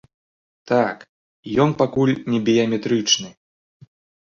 Так, ён пакуль не біяметрычны.